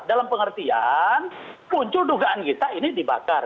dalam pengertian muncul dugaan kita ini dibakar